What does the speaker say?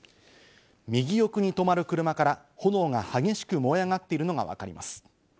右奥に止まる車から炎が激しく燃え上がっているのがわかります。